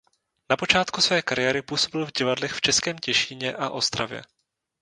Na počátku své kariéry působil v divadlech v Českém Těšíně a Ostravě.